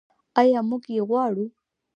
آیا موږ یې غواړو؟